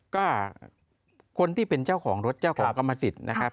ก็คนที่เป็นเจ้าของรถเจ้าของกรรมสิทธิ์นะครับ